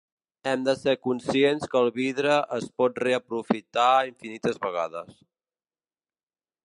Hem de ser conscients que el vidre es pot reaprofitar infinites vegades.